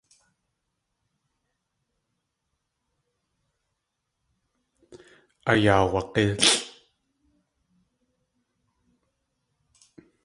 Ayaawag̲ílʼ.